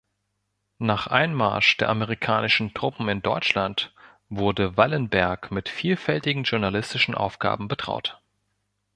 Nach Einmarsch der amerikanischen Truppen in Deutschland wurde Wallenberg mit vielfältigen journalistischen Aufgaben betraut.